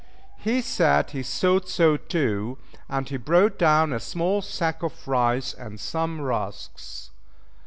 He said he thought so too, and he brought down a small sack of rice and some rusks.